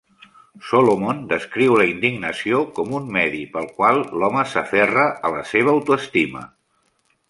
Solomon descriu la indignació com un medi pel qual l"home s"aferra a la seva autoestima.